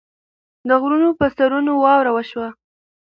د غرونو پۀ سرونو واوره وشوه